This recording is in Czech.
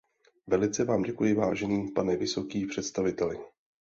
Velice vám děkuji, vážený pane vysoký představiteli.